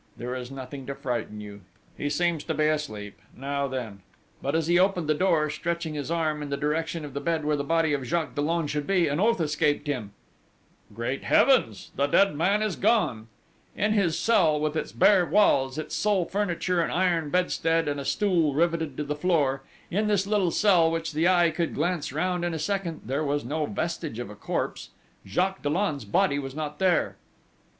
There is nothing to frighten you ... he seems to be asleep.... Now then!" But as he opened the door, stretching his arm in the direction of the bed where the body of Jacques Dollon should be, an oath escaped him: "Great Heavens! The dead man is gone!" In this cell with its bare walls, its sole furniture an iron bedstead and a stool riveted to the floor, in this little cell which the eye could glance round in a second, there was no vestige of a corpse: Jacques Dollon's body was not there!